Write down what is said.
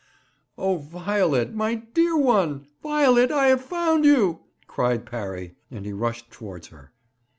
'Oh, Violet, my dear one! Violet, I have found you!' cried Parry, and he rushed towards her.